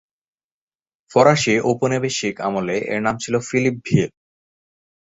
ফরাসি ঔপনিবেশিক আমলে এর নাম ছিল ফিলিপভিল।